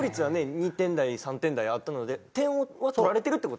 ２点台３点台あったので点は取られてるって事ですもんね。